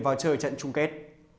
vào trời trận chung kết